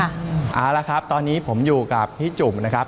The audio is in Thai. เอาละครับตอนนี้ผมอยู่กับพี่จุ่มนะครับ